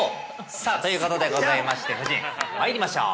さあということでございまして、夫人、まいりましょう。